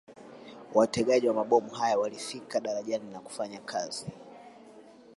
Wategaji wa mabomu hayo walifika darajani na kufanya kazi